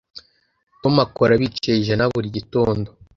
Tom akora bicaye ijana buri gitondo